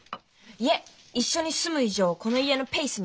いえ一緒に住む以上この家のペースに合わせます。